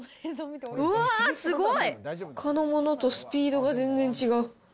うわー、すごい。ほかのものとスピードが全然違う。